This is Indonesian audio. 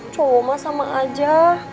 cowok mah sama aja